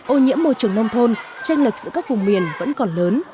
ô nhiễm môi trường nông thôn tranh lực giữa các vùng miền vẫn còn lớn